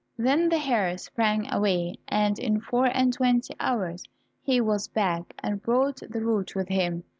Then the hare sprang away, and in four and twenty hours he was back, and brought the root with him.